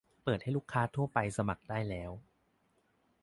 เปิดให้ลูกค้าทั่วไปสมัครได้แล้ว